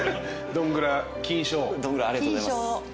丼グラありがとうございます。